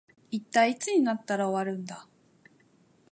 一体いつになったら終わるんだ